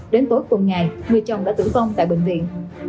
đến tối cùng ngày người chồng đã tử vong tại bệnh viện